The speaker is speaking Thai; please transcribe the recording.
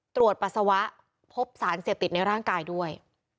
ปัสสาวะพบสารเสพติดในร่างกายด้วย